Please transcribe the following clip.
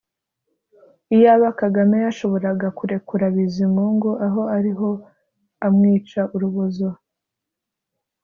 Iyaba Kagame yashoboraga kurekura Bizimungu aho ariho amwica urubozo